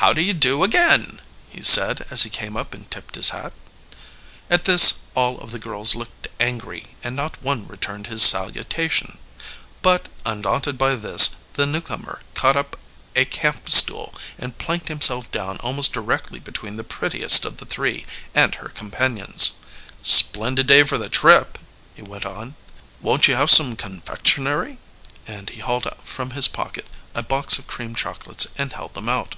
"How do you do again?" he said, as he came up and tipped his hat. At this all of the girls looked angry, and not one returned his salutation. But, undaunted by this, the newcomer caught up a camp stool and planked himself down almost directly between the prettiest of the three and her companions. "Splendid day for the trip," he went on. "Won't you have some confectionery?" and he hauled from his pocket a box of cream chocolates and held them out.